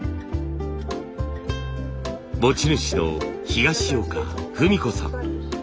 持ち主の東岡富美子さん。